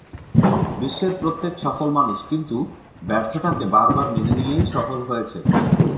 বিশ্বের প্রত্যেক সফল মানুষ কিন্তু ব্যর্থতাকে বারবার মেনে নিয়েই সফল হয়েছে।